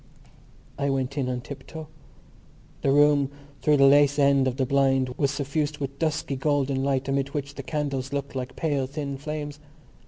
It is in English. I went in on tiptoe. The room through the lace end of the blind was suffused with dusky golden light amid which the candles looked like pale thin flames.